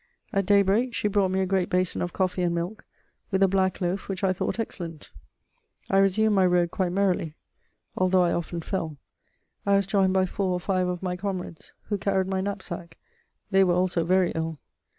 At daybreak she brought me a great basin of coffee and milk, with a black loaf which I thought excellent. I resumed my road quite merrily, although I often fell. I was joined by four or five of my comrades, who carried my knapsack; they were also very ill.